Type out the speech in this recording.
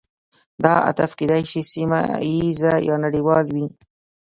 دا هدف کیدای شي سیمه ایز یا نړیوال وي